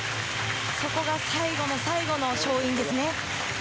そこが最後の最後の勝因ですね。